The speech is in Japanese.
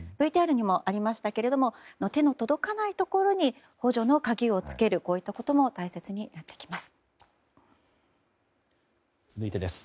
ＶＴＲにもありましたけど手の届かないところに補助の鍵をつけるといったことも大切になってきます。